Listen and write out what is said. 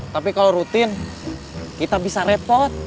tapi kalau rutin kita bisa repot